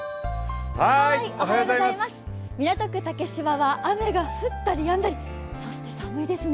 港区竹芝は雨が降ったりやんだり、そして寒いですね。